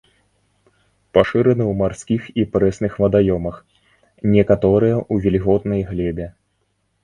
Пашыраны ў марскіх і прэсных вадаёмах, некаторыя ў вільготнай глебе.